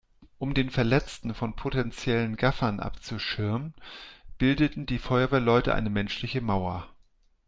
Um den Verletzten von potenziellen Gaffern abzuschirmen, bildeten die Feuerwehrleute eine menschliche Mauer.